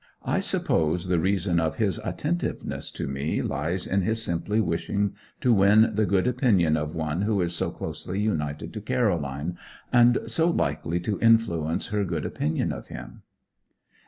I suppose the reason of his attentiveness to me lies in his simply wishing to win the good opinion of one who is so closely united to Caroline, and so likely to influence her good opinion of him.